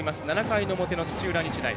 ７回の表、土浦日大。